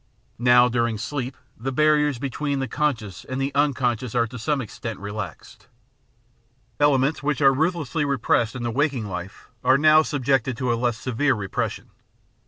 Now during sleep the bar riers between the conscious and the unconscious are to some ex tent relaxed. Elements which are ruthlessly repressed in the waking life are now subjected to a less severe repression.